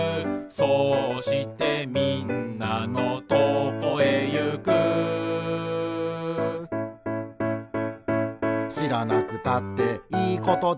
「そうしてみんなのとこへゆく」「しらなくたっていいことだけど」